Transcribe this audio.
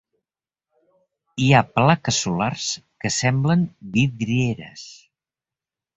Hi ha plaques solars que semblen vidrieres.